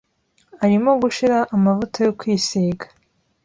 Arimo gushira amavuta yo kwisiga.